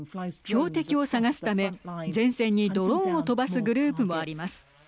標的を探すため前線にドローンを飛ばすグループもあります。